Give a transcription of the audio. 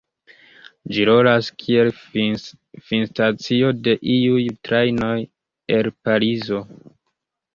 Ĝi rolas kiel finstacio de iuj trajnoj el Parizo.